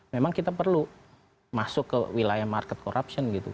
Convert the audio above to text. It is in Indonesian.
memang kita perlu masuk ke wilayah market corruption gitu